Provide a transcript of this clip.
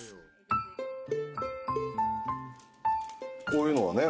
こういうのはね